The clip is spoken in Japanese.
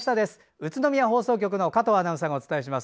宇都宮放送局の加藤アナウンサーがお伝えします。